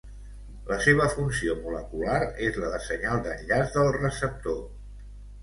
La seva funció molecular és la de senyal d'enllaç del receptor.